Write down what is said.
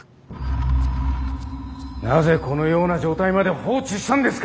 なぜこのような状態まで放置したんですか。